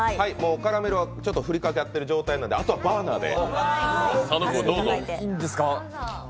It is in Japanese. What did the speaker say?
カラメルがふりかかってる状態なので、あとはバーナーで。